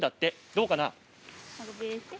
どうかな？